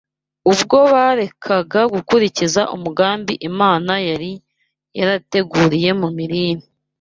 Ubwo barekaga gukurikiza umugambi Imana yari yarabateguriye mu mirire